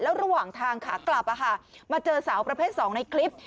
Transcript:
ระหว่างทางขากลับมาเจอสาวประเภท๒ในคลิป